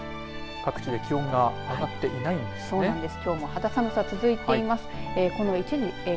各地で気温が上がっていないんですね。